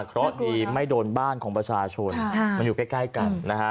เพราะดีไม่โดนบ้านของประชาชนมันอยู่ใกล้กันนะฮะ